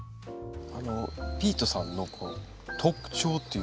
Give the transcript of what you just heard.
ピートさんの特徴っていうか